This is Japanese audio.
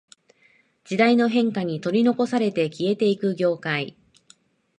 時代の変化に取り残されて消えていく業界